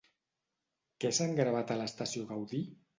Què s'han gravat a l'estació Gaudí?